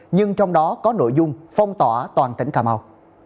nhưng trong đó có nội dung phong tỏa toàn tỉnh cà mau